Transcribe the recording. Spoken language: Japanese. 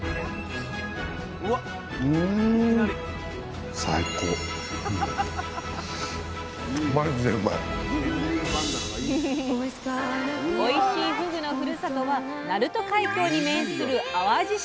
うんおいしいふぐのふるさとは鳴門海峡に面する淡路島。